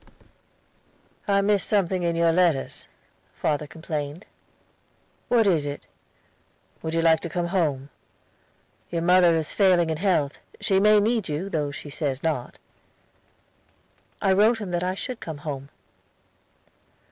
"I miss something in your letters," father complained. "What is it? Would you like to come home? Your mother is failing in health she may need you, though she says not." I wrote him that I should come home.